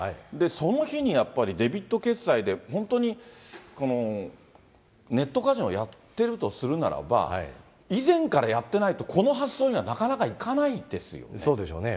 その日にやっぱりデビット決済で本当にネットカジノやってるとするならば、以前からやってないと、この発想にはなかなかいかないでそうでしょうね。